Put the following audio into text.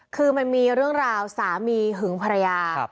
คือมันมีเรื่องราวสามีหึงภรรยา